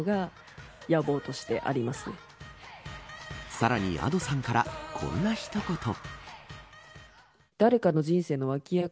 さらにＡｄｏさんからこんな一言も。